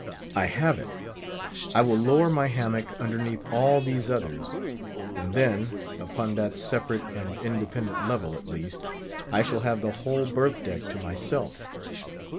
I have it. I will lower my hammock underneath all these others; and then—upon that separate and independent level, at least—I shall have the whole berth deck to myself.